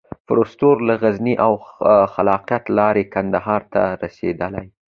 فورسټر له غزني او قلات لاري کندهار ته رسېدلی.